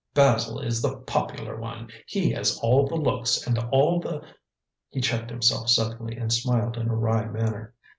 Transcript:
"Basil is the popular one; he has all the looks and all the " He checked himself suddenly and smiled in a wry manner.